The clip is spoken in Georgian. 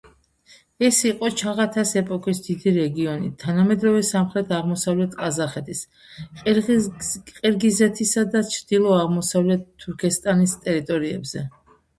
ეს იყო ჩაღათას ეპოქის დიდი რეგიონი თანამედროვე სამხრეთ–აღმოსავლეთ ყაზახეთის, ყირგიზეთისა და ჩრდილო–აღმოსავლეთ თურქესტანის ტერიტორიებზე.